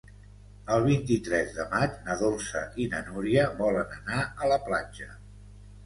El vint-i-tres de maig na Dolça i na Núria volen anar a la platja.